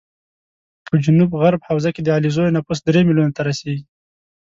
په جنوب غرب حوزه کې د علیزو نفوس درې ملیونو ته رسېږي